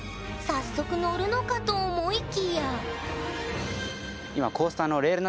早速乗るのかと思いきやレール？